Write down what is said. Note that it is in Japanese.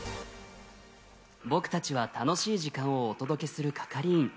僕たちは楽しい時間をお届けする係員。